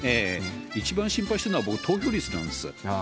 一番心配してんのは、僕、投票率なんです。